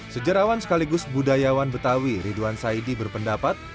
sejarawan sekaligus budayawan betawi ridwan saidi berpendapat